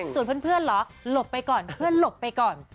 ส่วนเพื่อนเหรอหลบไปก่อนเพื่อนหลบไปก่อน